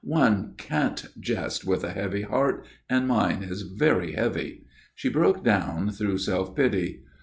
"One can't jest with a heavy heart; and mine is very heavy." She broke down through self pity.